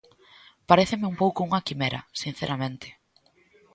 Paréceme un pouco unha quimera, sinceramente.